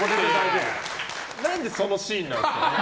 なんでそのシーンなんですか。